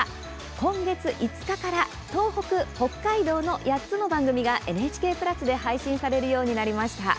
今月５日から東北、北海道の８つの番組がＮＨＫプラスで配信されるようになりました。